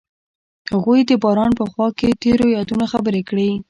هغوی د باران په خوا کې تیرو یادونو خبرې کړې.